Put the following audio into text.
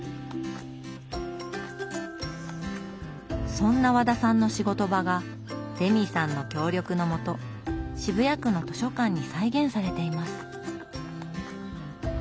そんな和田さんの仕事場がレミさんの協力のもと渋谷区の図書館に再現されています。